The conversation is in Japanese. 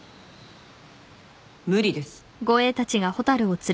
無理です。